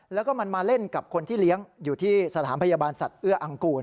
แล้วก็มันมาเล่นกับคนที่เลี้ยงอยู่ที่สถานพยาบาลสัตว์เอื้ออังกูล